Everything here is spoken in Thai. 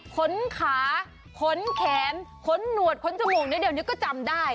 ขนขาขนแขนขนหนวดขนจมูกนิดเดียวนี้ก็จำได้